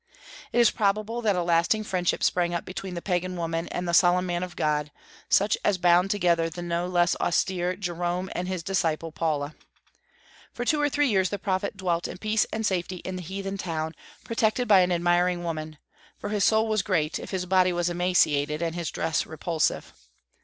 It is probable that a lasting friendship sprang up between the pagan woman and the solemn man of God, such as bound together the no less austere Jerome and his disciple Paula. For two or three years the prophet dwelt in peace and safety in the heathen town, protected by an admiring woman, for his soul was great, if his body was emaciated and his dress repulsive.